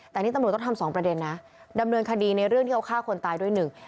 แต่นี่ตำรวจต้องทำสองประเด็นนะดำเนินคดีในเรื่องที่เขาฆ่าคนตายด้วยหนึ่ง